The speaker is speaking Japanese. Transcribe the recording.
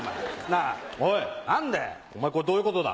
おいお前これどういうことだ？